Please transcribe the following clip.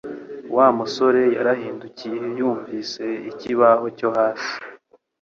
Wa musore yarahindukiye yumvise ikibaho cyo hasi